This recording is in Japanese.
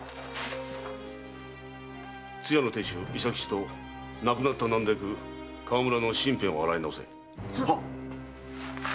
つやの亭主・伊佐吉と亡くなった納戸役・河村の身辺を洗い直せ。